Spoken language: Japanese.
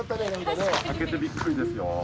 開けてびっくりですよ。